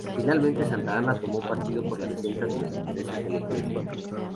Finalmente, Santa Anna tomó partido por la defensa de los intereses de la Iglesia.